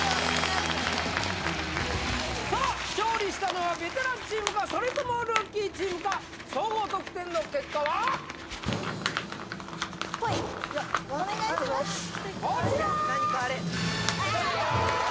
さあ勝利したのはベテランチームかそれともルーキーチームか総合得点の結果はこちら！